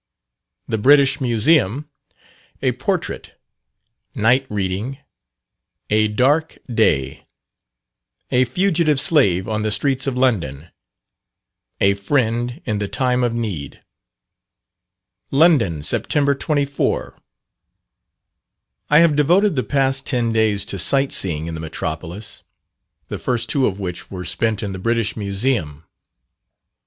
_The British Museum A Portrait Night Reading A Dark Day A Fugitive Slave on the Streets of London, A Friend in the time of need._ LONDON, Sept. 24. I have devoted the past ten days to sight seeing in the Metropolis the first two of which were spent in the British Museum.